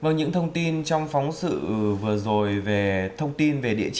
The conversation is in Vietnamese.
nó sẽ trở về